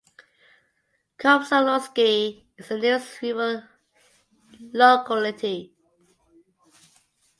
Komsomolsky is the nearest rural locality.